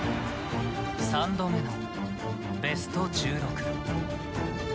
３度目のベスト１６。